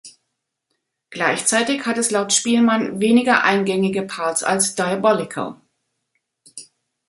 Gleichzeitig hat es laut Spielmann weniger eingängige Parts als "Diabolical".